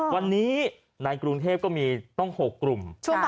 วันนี้ในกรุงเทพก็มีต้อง๖กลุ่ม